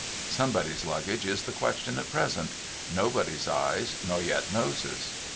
Somebody's Luggage is the question at present : Nobody's eyes, nor yet noses.